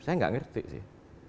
saya gak ngerti sih